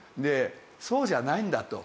そうじゃないんだと。